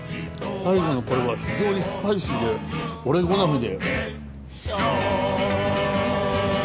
最後のこれは非常にスパイシーで俺好みで。